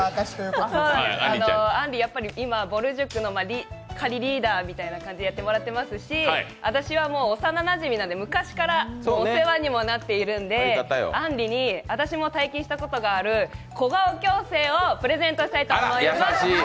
あんり、やっぱりぼる塾の仮リーダーみたいな感じでやってもらってますし、私は幼なじみなんで昔からお世話にもなっているのであんりに、私も体験したことがある小顔矯正をプレゼントしたいと思います。